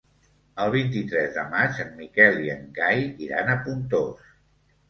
El vint-i-tres de maig en Miquel i en Cai iran a Pontós.